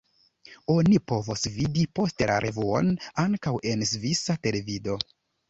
Oni povos vidi poste la revuon ankaŭ en svisa televido.